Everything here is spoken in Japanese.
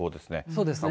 そうですね。